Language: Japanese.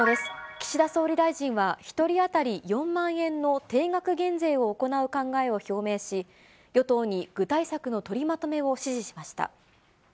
岸田総理大臣は１人当たり４万円の定額減税を行う考えを表明し、与党に具体策の取りまとめを指示しました。